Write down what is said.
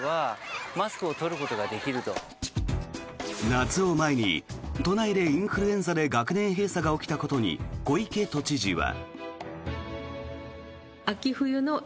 夏を前に都内でインフルエンザで学年閉鎖が起きたことに小池都知事は。